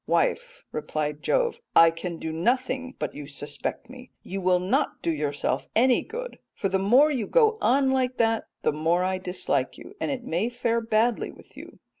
'" "'Wife,' replied Jove, 'I can do nothing but you suspect me. You will not do yourself any good, for the more you go on like that the more I dislike you, and it may fare badly with you.